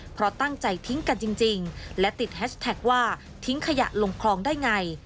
เพราะตั้งใจทิ้งกันจริงและติดแฮชแท็กว่าทิ้งขยะลงคลองได้ไง